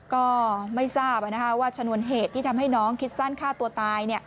ก็ไม่ทราบว่าชนวนเหตุที่ทำให้น้องคิดสั้นฆ่าตัวตาย